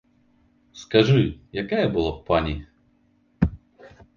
Скажы, якая была пані!